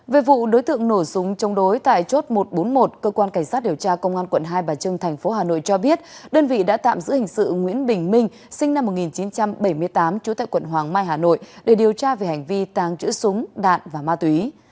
về vụ đối tượng nổ súng chống đối tại chốt một trăm bốn mươi một cơ quan cảnh sát điều tra công an quận hai bà trưng thành phố hà nội cho biết đơn vị đã tạm giữ hình sự nguyễn bình minh sinh năm một nghìn chín trăm bảy mươi tám trú tại quận hoàng mai hà nội để điều tra về hành vi tàng trữ súng đạn và ma túy